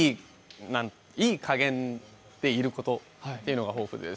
いい加減でいることというのが抱負です。